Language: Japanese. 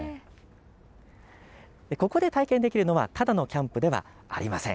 ここで体験できるのはただのキャンプではありません。